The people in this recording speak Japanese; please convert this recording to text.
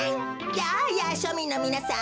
やあやあしょみんのみなさん。